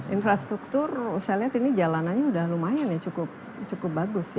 infrastruktur saya lihat ini jalanannya sudah lumayan ya cukup bagus ya